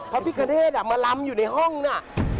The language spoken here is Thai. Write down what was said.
พระพิคเนธมาลำอยู่ในห้องน่ะ